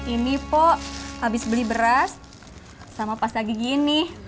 ini po habis beli beras sama pasta gigi ini